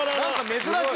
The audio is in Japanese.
珍しい。